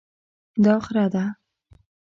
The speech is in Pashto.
دا خره ده